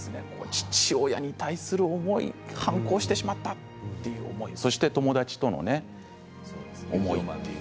父親に対する思い反抗してしまったそして友達との思い